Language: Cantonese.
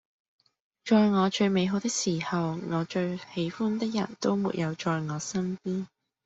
在我最美好的時候，我最喜歡的人都沒有在我身邊